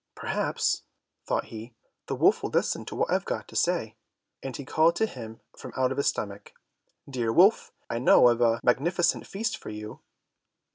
"Perhaps," thought he, "the wolf will listen to what I have got to say," and he called to him from out of his stomach, "Dear wolf, I know of a magnificent feast for you."